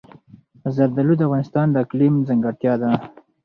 زردالو د افغانستان د اقلیم ځانګړتیا ده.